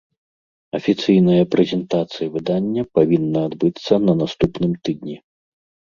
Афіцыйная прэзентацыя выдання павінна адбыцца на наступным тыдні.